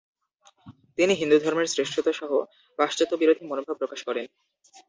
তিনি হিন্দু ধর্মের শ্রেষ্ঠত্ত্বসহ পাশ্চাত্য-বিরোধী মনোভাব প্রকাশ করেন।